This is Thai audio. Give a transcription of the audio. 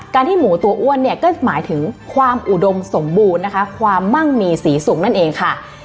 ที่หมูตัวอ้วนเนี่ยก็หมายถึงความอุดมสมบูรณ์นะคะความมั่งมีสีสูงนั่นเองค่ะ